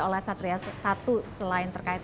oleh satria satu selain terkait